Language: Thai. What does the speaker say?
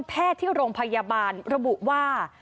แพทย์ที่โรงพยาบาลระบุว่า